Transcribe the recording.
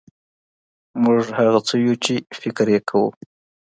موږ هغه څه یو چي فکر یې کوو.